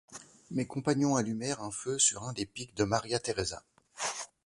Mes compagnons allumèrent un feu sur un des pics de Maria-Thérésa.